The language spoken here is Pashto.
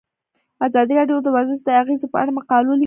ازادي راډیو د ورزش د اغیزو په اړه مقالو لیکلي.